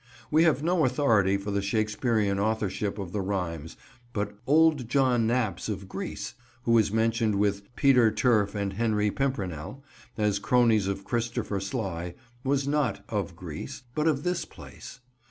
We have no authority for the Shakespearean authorship of the rhymes, but "old John Naps of Greece," who is mentioned with "Peter Turf and Henry Pimpernell" as cronies of Christopher Sly, was not "of Greece" but of this place.